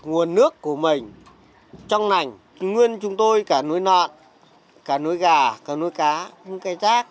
nguồn nước của mình trong nành nguyên chúng tôi cả nuôi nợn cả nuôi gà cả nuôi cá cái rác